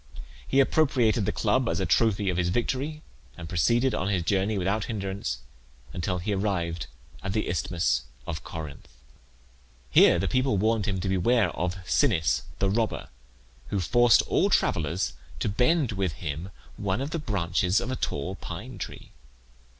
He appropriated the club as a trophy of his victory, and proceeded on his journey without hinderance until he arrived at the Isthmus of Corinth. Here the people warned him to beware of Sinnis the robber, who forced all travellers to bend with him one of the branches of a tall pine tree.